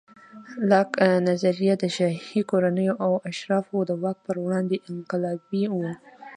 لاک نظریه د شاهي کورنیو او اشرافو د واک پر وړاندې انقلابي وه.